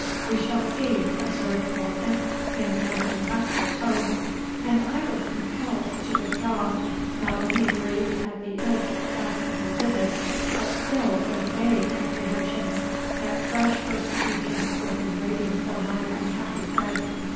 '—'We shall see,' observed Walkden, in an implacable tone; and I was compelled to withdraw, not only grieved at the ill success of my visit, but filled with vague apprehensions that fresh persecutions were in waiting for my unhappy friend.